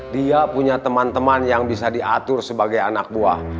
dia punya teman teman yang bisa diatur sebagai anak buah